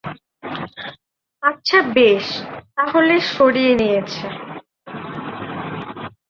আচ্ছা, বেশ, তা হলে সরিয়ে নিয়েছে।